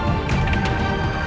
saya akan mencari kepuasan